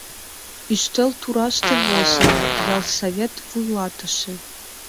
Ӱстел тураште возымо: «Ялсовет вуйлатыше».